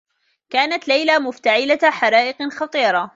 كانت ليلى مفتعلة حرائق خطيرة.